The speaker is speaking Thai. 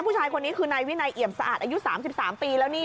ผู้ชายคนนี้คือในวินัยเหยียบสะอาดอายุสามสิบสามปีแล้วนี่